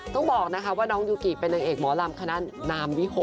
ต้องบอกนะคะว่าน้องยูกิเป็นนางเอกหมอลำคณะนามวิหก